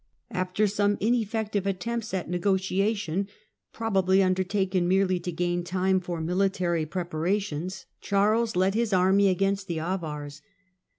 After some ineffective attempts at negotiation, prob ably undertaken merely to gain time for military pre 166 THE DAWN OF MEDIAEVAL EUROPE parations, Charles led his army against the Avars.